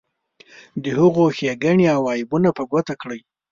د هغو ښیګڼې او عیبونه په ګوته کړئ.